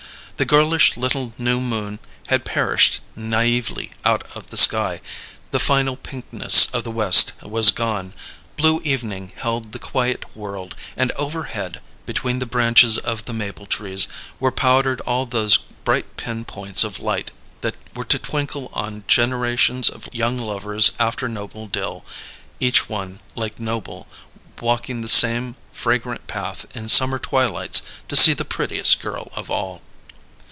The girlish little new moon had perished naïvely out of the sky; the final pinkness of the west was gone; blue evening held the quiet world; and overhead, between the branches of the maple trees, were powdered all those bright pin points of light that were to twinkle on generations of young lovers after Noble Dill, each one, like Noble, walking the same fragrant path in summer twilights to see the Prettiest Girl of All.